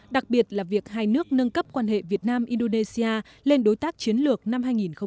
đặc biệt là việc hai nước nâng cấp quan hệ việt nam indonesia lên đối tác chiến lược năm hai nghìn một mươi ba